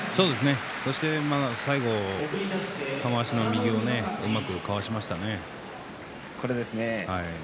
そして玉鷲の右をうまくかわしましたね。